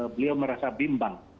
beliau merasa bimbang